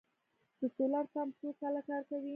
د سولر پمپ څو کاله کار کوي؟